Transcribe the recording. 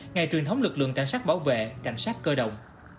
ngày truyền thống lực lượng cảnh sát bảo vệ cảnh sát cơ động